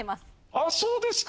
あっそうですか。